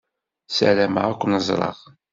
Ssarameɣ ad ken-ẓreɣ.